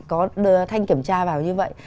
có đưa thanh kiểm tra vào như vậy